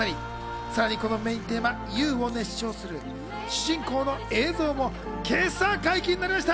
さらにこのメインテーマ『Ｕ』を熱唱する主人公の映像も今朝解禁になりました。